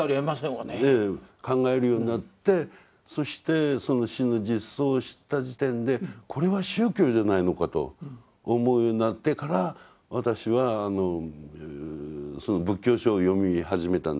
考えるようになってそしてその死の実相を知った時点でこれは宗教じゃないのかと思うようになってから私は仏教書を読み始めたんです。